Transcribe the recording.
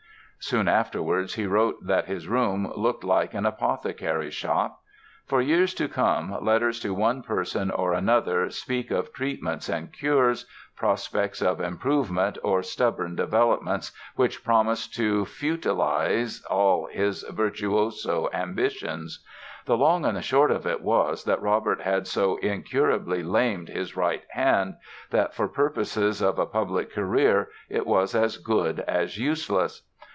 Soon afterwards he wrote that his room "looked like an apothecary's shop". For years to come letters to one person or another speak of treatments and cures, prospects of improvement or stubborn developments which promise to futilize all his virtuoso ambitions. The long and the short of it was that Robert had so incurably lamed his right hand that for purposes of a public career it was as good as useless.